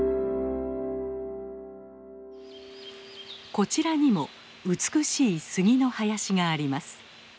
こちらにも美しい杉の林があります。